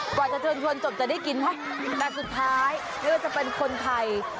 หือก่อนจะเชิญชวนจบจะได้กินแต่สุดท้ายว่าจะเป็นคนไทย